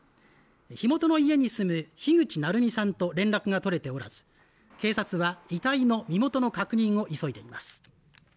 火元の家に住む樋口ナルミさんと連絡が取れておらず警察は遺体の身元の確認を急いでいます